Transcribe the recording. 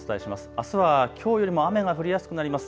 あすはきょうよりも雨が降りやすくなります。